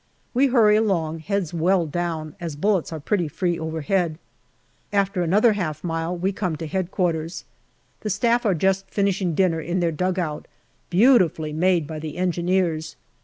We hurry along, heads well down, as bullets are pretty free overhead. After another half mile we come to Headquarters. The Staff are just finishing dinner in their dugout beautifully made by the Engineers.